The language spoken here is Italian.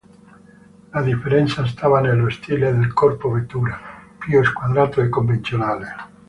La differenza stava nello stile del corpo vettura, più squadrato e convenzionale.